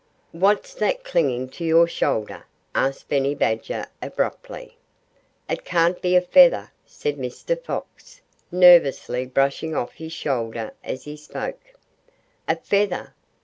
"What's that clinging to your shoulder?" asked Benny Badger abruptly. "It can't be a feather," said Mr. Fox, nervously brushing off his shoulder as he spoke. "A feather!"